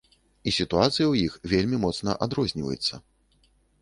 І сітуацыя ў іх вельмі моцна адрозніваецца.